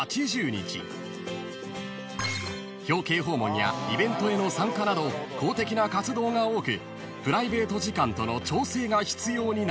［表敬訪問やイベントへの参加など公的な活動が多くプライベート時間との調整が必要になります］